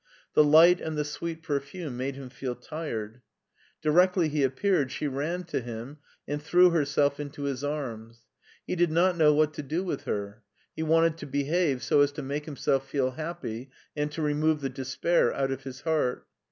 The light and the sweet perfume made him feel tired. Directly he appeared she ran to him and threw herself into his arms. He did not know what to do with her. He wanted to behave so as to make himself feel happy and to remove the despair out of his heart.